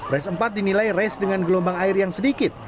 race empat dinilai race dengan gelombang air yang sedikit